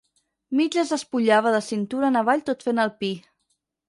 Mig es despullava de cintura en avall tot fent el pi.